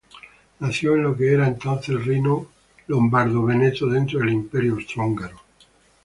Nació en lo que era entonces el reino lombardo-veneto dentro del Imperio Austrohúngaro.